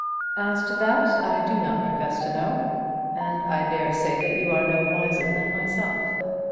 "As to that I do not profess to know, and I dare say that you are no wiser than myself.